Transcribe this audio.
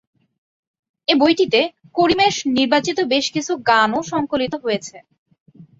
এ বইটিতে করিমের নির্বাচিত বেশ কিছু গানও সংকলিত হয়েছে।